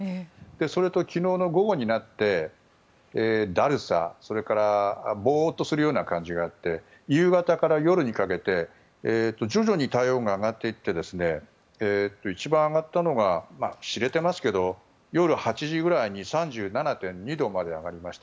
それと昨日の午後になってだるさそれからボーッとするような感じがあって夕方から夜にかけて徐々に体温が上がっていって一番上がったのが知れていますけど夜８時くらいに３７．２度まで上がりました。